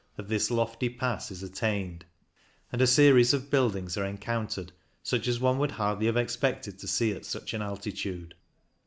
of this lofty pass is attained, and a series of buildings are encountered such as one would hardly have expected to see at such an altitude.